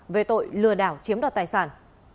về tội lừa đảo chiếm đoạt tài sản